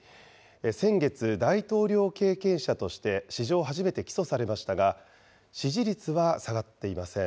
先月、大統領経験者として史上初めて起訴されましたが、支持率は下がっていません。